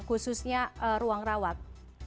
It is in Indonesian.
khususnya ruang rawat